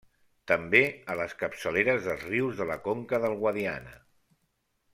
També a les capçaleres dels rius de la conca del Guadiana.